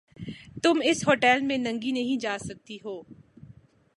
تم اِس ہوٹیل میں ننگی نہیں جا سکتی ہو۔